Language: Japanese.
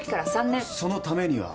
そのためには？